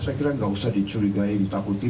saya kira nggak usah dicurigai ditakuti